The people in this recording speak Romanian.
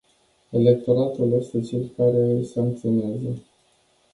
Electoratul este cel care îi sancționează.